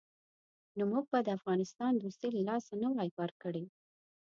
نو موږ به د افغانستان دوستي له لاسه نه وای ورکړې.